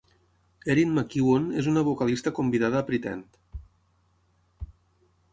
Erin McKeown és una vocalista convidada a Pretend.